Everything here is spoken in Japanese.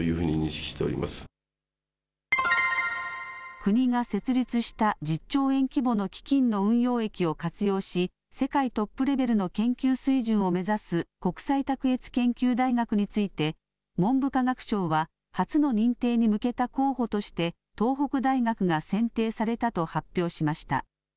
国が設立した１０兆円規模の基金の運用益を活用し、世界トップレベルの研究水準を目指す国際卓越研究大学について、文部科学省は初の認定に向けた候補として東北大学が選定されたと発表しました。